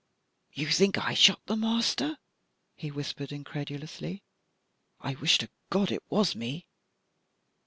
"You think that I shot the master?" he whispered incredulously. " I wish to God it was me.